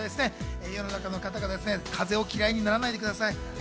世の中の方々、風を嫌いにならないでください。